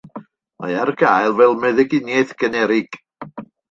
Mae ar gael fel meddyginiaeth generig.